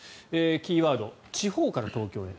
キーワード、地方から東京へ。